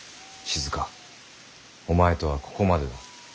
静お前とはここまでだ。